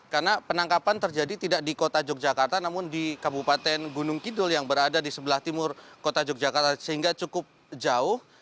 karena penangkapan terjadi tidak di kota yogyakarta namun di kabupaten gunung kidul yang berada di sebelah timur kota yogyakarta sehingga cukup jauh